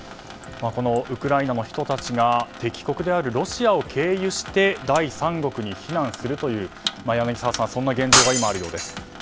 ウクライナの人たちが敵国であるロシアを経由して第三国に避難するというそんな現状があるようです。